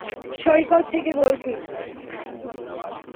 সৈকত থেকে বলছি!